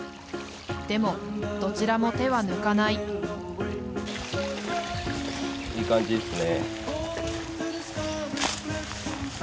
でもどちらも手は抜かないいい感じですね。